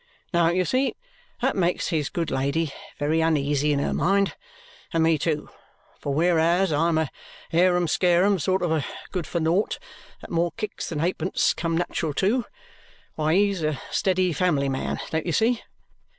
Now, you see, that makes his good lady very uneasy in her mind, and me too, for whereas I'm a harum scarum sort of a good for nought that more kicks than halfpence come natural to, why he's a steady family man, don't you see?